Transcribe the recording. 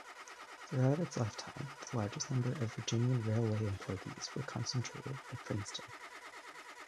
Throughout its lifetime, the largest number of Virginian Railway employees were concentrated at Princeton.